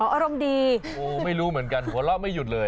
อารมณ์ดีโอ้ไม่รู้เหมือนกันหัวเราะไม่หยุดเลย